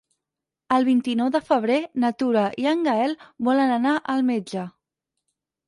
El vint-i-nou de febrer na Tura i en Gaël volen anar al metge.